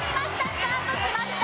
スタートしました。